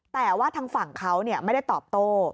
แต่ว่าทางฝั่งเขาไม่ได้ตอบโต้